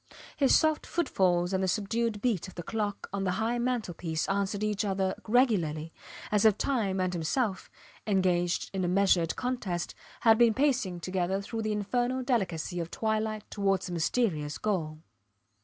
His soft footfalls and the subdued beat of the clock on the high mantel piece answered each other regularly as if time and himself, engaged in a measured contest, had been pacing together through the infernal delicacy of twilight towards a mysterious goal.